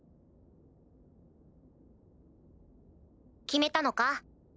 決めたのか？